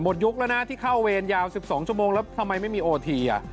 ยุคแล้วนะที่เข้าเวรยาว๑๒ชั่วโมงแล้วทำไมไม่มีโอที